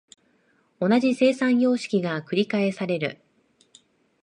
同じ生産様式が繰返される。